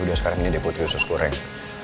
udah sekarang ini deh putri usus goreng